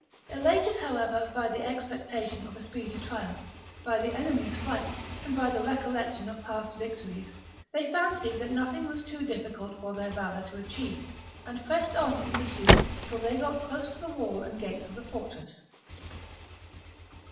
Elated, however, by the expectation of a speedy triumph, by the enemy's flight, and by the recollection of past victories, they fancied that nothing was too difficult for their valour to achieve, and pressed on in pursuit till they got close to the wall and gates of the fortress.